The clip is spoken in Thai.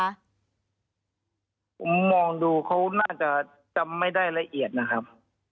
ผมมองดูเขาน่าจะจำไม่ได้ละเอียดนะครับ